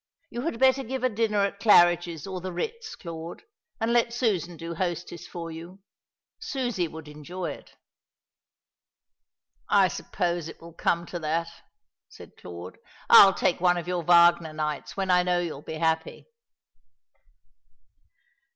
You had better give a dinner at 'Claridge's' or the 'Ritz,' Claude, and let Susan do hostess for you. Susie would enjoy it." "I suppose it will come to that," said Claude. "I'll take one of your Wagner nights when I know you'll be happy."